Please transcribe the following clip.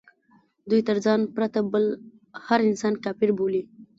دوی تر ځان پرته بل هر انسان کافر بولي.